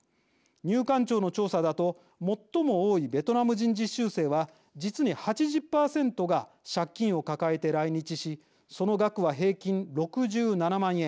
入管庁の調査だと最も多いベトナム人実習生は実に８０％が借金を抱えて来日しその額は平均６７万円。